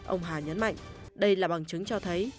ông hà nhấn mạnh đây là bằng chứng cho thấy